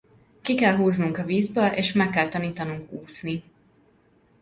Ki kell húznunk a vízből és meg kell tanítanunk úszni.